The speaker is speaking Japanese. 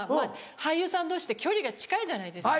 俳優さん同士って距離が近いじゃないですか。